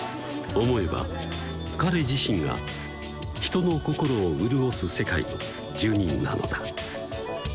思えば彼自身が人の心を潤す世界の住人なのだ